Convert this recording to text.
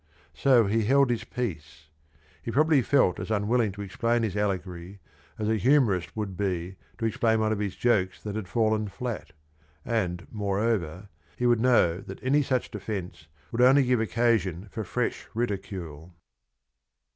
So he held his peace. He probably felt as unwilling to explain his allegory as a humorist would be to explain one of his jokes that had fallen flat, and moreover he would know that any such defence would only give occasion for fresh ridicule.